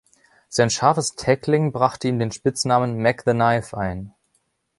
Sein scharfes Tackling brachte ihm den Spitznamen „Mac the Knife“ ein.